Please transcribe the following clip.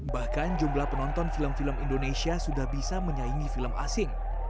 bahkan jumlah penonton film film indonesia sudah bisa menyaingi film asing